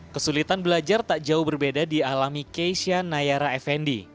kesulitan belajar tak jauh berbeda di alami keisha nayara fnd